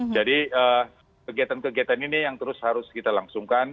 jadi kegiatan kegiatan ini yang terus harus kita langsungkan